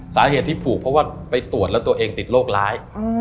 สาเหตุที่ผูกเพราะว่าไปตรวจแล้วตัวเองติดโรคร้าย